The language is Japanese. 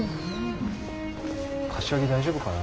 柏木大丈夫かな。